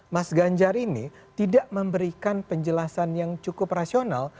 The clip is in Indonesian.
mas ganjar ini tidak memberikan penjelasan yang cukup rasional